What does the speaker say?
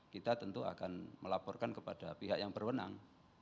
kita tentu akan melaporkan kepada pihak yang berwenang